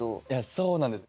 そうなんです。